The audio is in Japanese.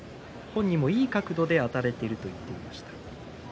本人もいい角度であたれているという話をしています。